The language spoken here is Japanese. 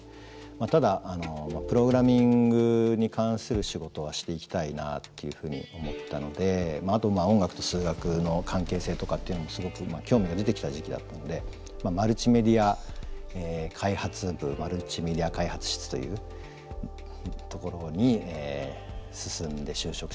ただプログラミングに関する仕事はしていきたいなっていうふうに思ったのであと音楽と数学の関係性とかっていうのもすごく興味が出てきた時期だったのでマルチメディア開発部マルチメディア開発室というところに進んで就職しました。